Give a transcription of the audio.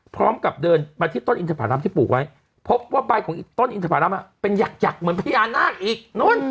พร้อมกับเดินมาที่ต้นอินทภารำที่ปลูกไว้พบว่าใบของอีกต้นอินทภารำเป็นหยักเหมือนพญานาคอีกนู้น